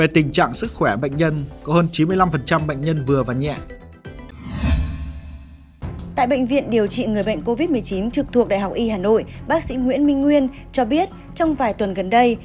tại bệnh viện điều trị người bệnh covid một mươi chín trực thuộc đại học y hà nội bác sĩ nguyễn minh nguyên cho biết trong vài tuần gần đây